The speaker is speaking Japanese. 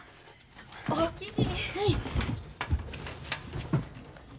おおきに。